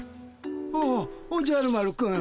おおおじゃる丸くん。